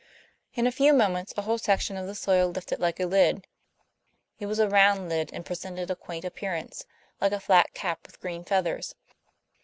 In a few moments a whole section of the soil lifted like a lid; it was a round lid and presented a quaint appearance, like a flat cap with green feathers.